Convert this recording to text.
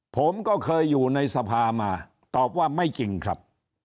ผมก็เคยอยู่ในสภามาตอบว่าไม่จริงครับ